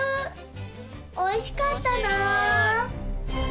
おいしかったな！